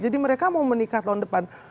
jadi mereka mau menikah tahun depan